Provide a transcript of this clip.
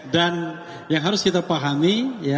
dan yang harus kita pahami